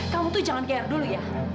kamu tuh jangan care dulu ya